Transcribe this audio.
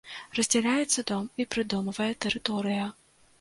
Раздзяляецца дом і прыдомавая тэрыторыя.